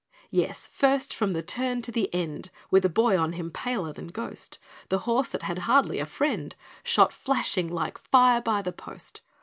Yes, first from the turn to the end, With a boy on him paler than ghost, The horse that had hardly a friend Shot flashing like fire by the post.